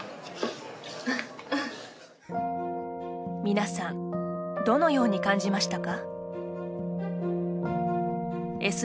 皆さんどのように感じましたか。